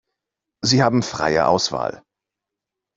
Sie haben freie Auswahl.